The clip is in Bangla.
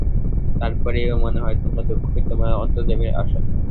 তার পরে এও মনে হয়, তোমার দুঃখই তোমার অন্তর্যামীর আসন।